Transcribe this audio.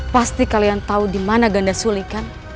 pasti kalian tahu dimana ganda suli kan